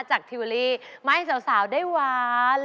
จากทิวลีมาให้สาวได้หวาน